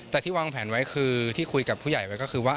แต่ที่วางแผนไว้คือที่คุยกับผู้ใหญ่ไว้ก็คือว่า